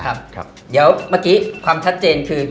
เดี๋ยวเมื่อกี้ความชัดเจนคือ